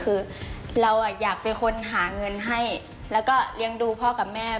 คือเราอยากเป็นคนหาเงินให้แล้วก็เลี้ยงดูพ่อกับแม่